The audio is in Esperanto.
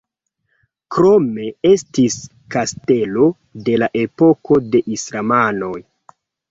Krome estis kastelo de la epoko de islamanoj.